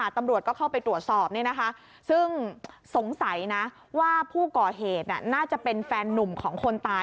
ตำรวจก็เข้าไปตรวจสอบซึ่งสงสัยนะว่าผู้ก่อเหตุน่าจะเป็นแฟนนุ่มของคนตาย